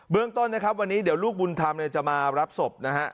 เรื่องต้นนะครับวันนี้เดี๋ยวลูกบุญธรรมจะมารับศพนะฮะ